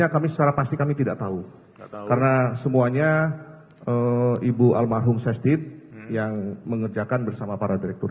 kami secara pasti kami tidak tahu karena semuanya ibu almarhum sestif yang mengerjakan bersama para direktur